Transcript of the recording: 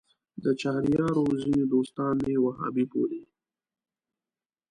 د چهاریارو ځینې دوستان مې وهابي بولي.